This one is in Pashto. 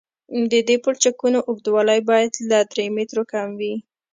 د دې پلچکونو اوږدوالی باید له درې مترو کم وي